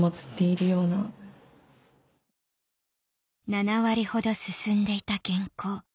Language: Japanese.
７割ほど進んでいた原稿